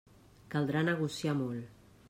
Caldrà negociar molt.